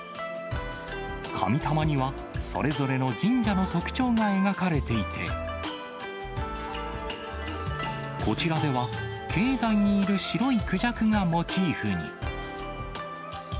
神玉には、それぞれの神社の特徴が描かれていて、こちらでは、境内にいる白いクジャクがモチーフに。